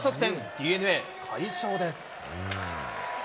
ＤｅＮＡ、快勝です。